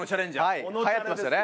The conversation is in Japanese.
はいはやってましたね。